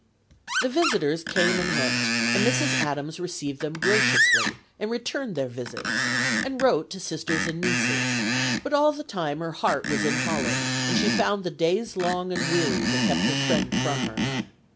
The visitors came and went, and Mrs. Adams received them graciously, and returned their visits, and wrote to sisters and nieces; but all the time her heart was in Holland, and she found the days long and weary that kept her friend from her.